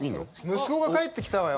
息子が帰ってきたわよ。